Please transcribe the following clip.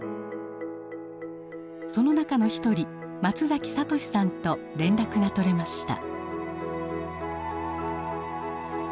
その中の一人松諭さんと連絡が取れました。